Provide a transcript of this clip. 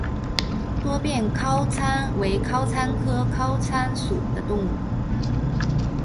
多变尻参为尻参科尻参属的动物。